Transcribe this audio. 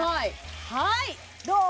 はいどう？